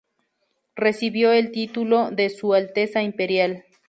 Recibió el título de Su Alteza Imperial.